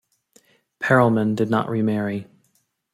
Perelman did not remarry.